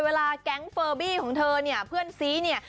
เวลาแก๊งเฟอร์บี้ของเธอเนี่ยเพื่อนซีเนี่ย